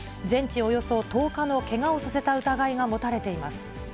およそ１０日のけがをさせた疑いが持たれています。